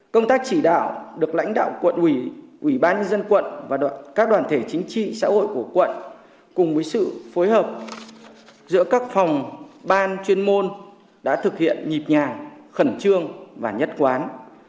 công tác chỉ đạo được lãnh đạo quận ủy ủy ban nhân dân quận và các đoàn thể chính trị xã hội của quận cùng với sự phối hợp giữa các phòng ban chuyên môn đã thực hiện nhịp nhàng khẩn trương và nhất quán